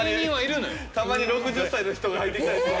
たまに６０歳の人が入ってきたりする。